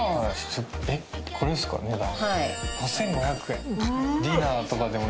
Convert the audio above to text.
５，５００円？